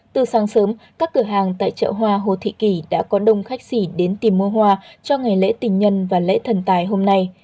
từ sáng sớm các cửa hàng tại chợ hoa hồ thị kỳ đã có đông khách xỉ đến tìm mua hoa cho ngày lễ tình nhân và lễ thần tài hôm nay